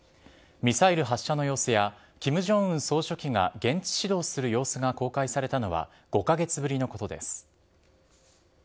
ミサイル発射の様子や、キム・ジョンウン総書記が現地指導する様子が公開されたのは、５か月ぶりのことです。